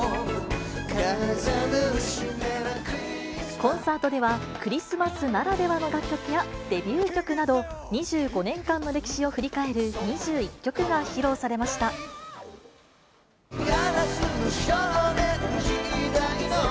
コンサートでは、クリスマスならではの楽曲やデビュー曲など、２５年間の歴史を振り返る２１曲が披露されました。